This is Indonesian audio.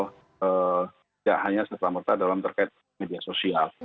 tidak hanya sesama sama dalam terkait media sosial